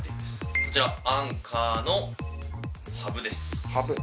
こちらアンカーのハブです